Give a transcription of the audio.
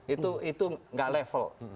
itu itu nggak level